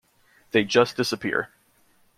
They just disappear.